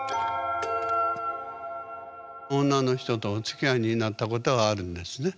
女の人とおつきあいになったことはあるんですね？